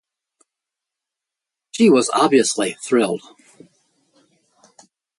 She was obviously thrilled.